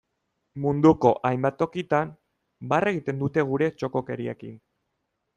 Munduko hainbat tokitan, barre egiten dute gure txokokeriekin.